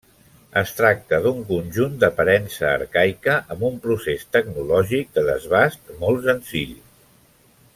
Es tracta d'un conjunt d'aparença arcaica, amb un procés tecnològic de desbast molt senzill.